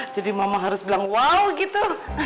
jadi mama harus bilang wow gitu